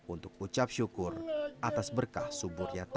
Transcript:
untuk ucap syukur kita harus berdoa